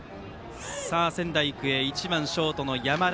仙台育英バッターは１番ショートの山田。